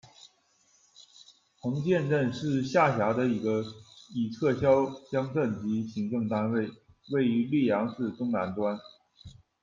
横涧镇，是下辖的一个已撤销乡镇级行政单位，位于溧阳市东南端。